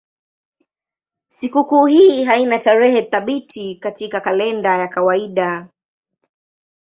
Sikukuu hii haina tarehe thabiti katika kalenda ya kawaida.